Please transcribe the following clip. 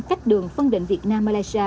cách đường phân định việt nam malaysia